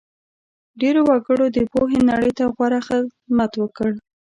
ډېرو وګړو د پوهې نړۍ ته غوره خدمت وکړ.